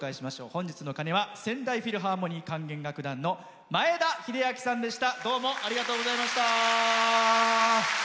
本日の鐘は仙台フィルハーモニー管弦楽団の前田秀明さんでした。